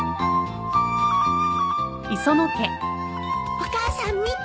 お母さん見て。